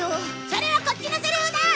それはこっちのセリフだ！